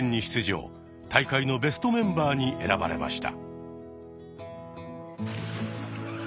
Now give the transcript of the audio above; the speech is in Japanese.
大会のベストメンバーに選ばれました。